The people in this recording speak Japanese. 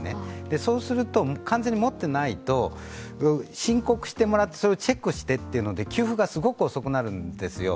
そうすると完全に持っていないと、申告してもらって、それをチェックをしてって、給付がすごく遅くなるんですよ。